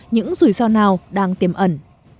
những rủi ro nào đang tiềm ẩn